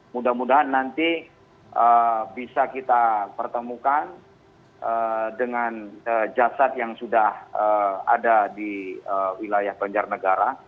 mudah mudahan nanti bisa kita pertemukan dengan jasad yang sudah ada di wilayah banjarnegara